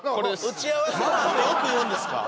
打ち合わせのあとよく言うんですか？